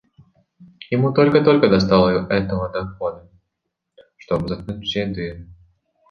Ему только-только достало этого дохода, чтобы заткнуть все дыры.